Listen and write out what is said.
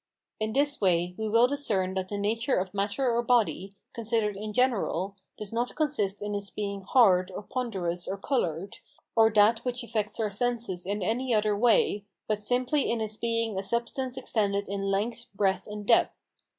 In this way we will discern that the nature of matter or body, considered in general, does not consist in its being hard, or ponderous, or coloured, or that which affects our senses in any other way, but simply in its being a substance extended in length, breadth, and depth.